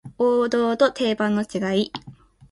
王道と定番の違い